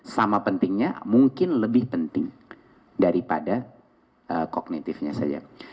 sama pentingnya mungkin lebih penting daripada kognitifnya saja